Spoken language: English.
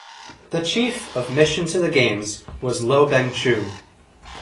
The Chief of mission to the games was Low Beng Choo.